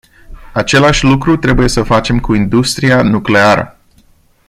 Același lucru trebuie să facem cu industria nucleară.